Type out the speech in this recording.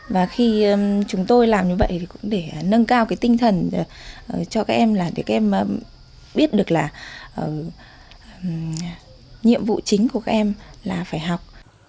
và khi chúng tôi làm như vậy thì cũng để nâng cao cái tinh thần cho các em là để các em biết được là nhiệm vụ chính của các em là phải học